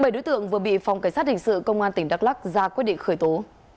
bảy đối tượng vừa bị phòng cảnh sát hình sự công an tỉnh đắk lắc ra quyết định khởi tố